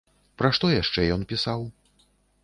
Пра што яшчэ ён пісаў?